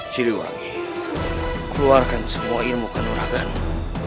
siliwangi keluarkan semua ilmu kandung raga kamu